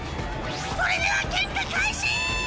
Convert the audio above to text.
それでは喧嘩開始！